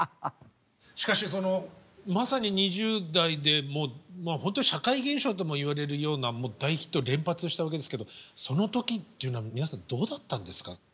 しかしそのまさに２０代で本当に社会現象ともいわれるような大ヒットを連発したわけですけどその時っていうのは皆さんどうだったんですか？